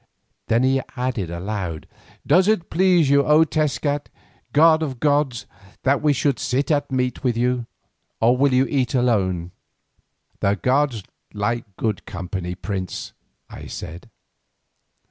Then he added aloud, "Does it please you, O Tezcat, god of gods, that we should sit at meat with you, or will you eat alone?" "The gods like good company, prince," I said.